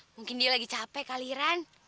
mungkin dia lagi capek kaliran